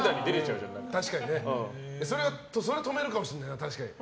それは止めるかもしれないな。